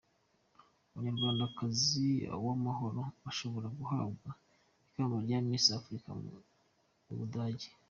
Umunyarwandakazi Uwamahoro ashobora guhabwa ikamba rya Misi Afurika Mubudage